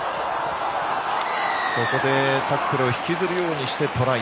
ここでタックルを引きずるようにしてトライ。